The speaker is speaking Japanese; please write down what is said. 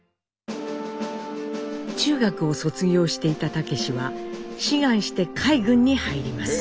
中学を卒業していた武は志願して海軍に入ります。